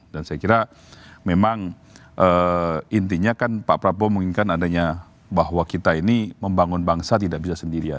dan saya kira memang intinya kan pak prabowo menginginkan adanya bahwa kita ini membangun bangsa tidak bisa sendirian